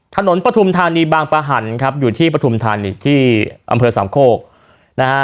ปฐุมธานีบางประหันครับอยู่ที่ปฐุมธานีที่อำเภอสามโคกนะฮะ